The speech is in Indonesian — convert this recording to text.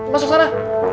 masuk ke sana